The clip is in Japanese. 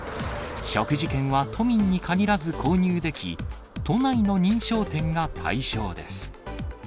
食事券は都民に限らず購入でき、都内の認証店が対象です。